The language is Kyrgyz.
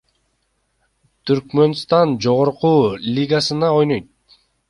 Түркмөнстандын жогорку лигасында ойнойт.